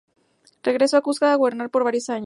Regreso a Cuzco a gobernar por varios años.